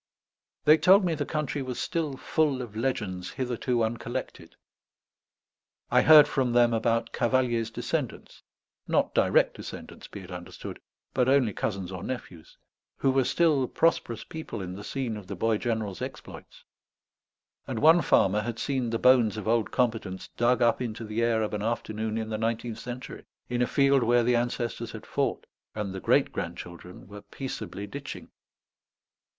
They told me the country was still full of legends hitherto uncollected; I heard from them about Cavalier's descendants not direct descendants, be it understood, but only cousins or nephews who were still prosperous people in the scene of the boy general's exploits; and one farmer had seen the bones of old combatants dug up into the air of an afternoon in the nineteenth century, in a field where the ancestors had fought, and the great grandchildren were peaceably ditching.